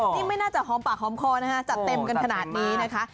นี่ไม่น่าจะหอมปากหอมคอนะคะจัดเต็มกันขนาดนี้นะคะ